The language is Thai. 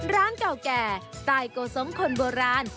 ร้านเก่าแก่สไตล์โกส้มคนโบราณ